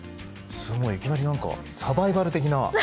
すごいいきなり何かサバイバル的な。